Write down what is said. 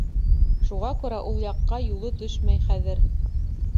Шуға күрә ул яҡҡа юлы төшмәй хәҙер.